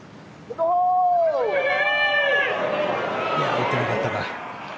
打てなかったか。